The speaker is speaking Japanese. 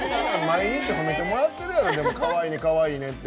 毎日褒めてもらってるやろかわいいねって。